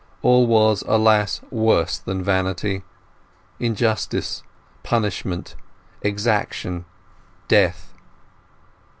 All was, alas, worse than vanity—injustice, punishment, exaction, death.